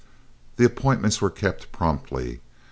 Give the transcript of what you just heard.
The appointments were kept promptly.